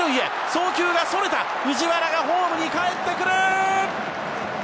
送球がそれた藤原がホームにかえってくる！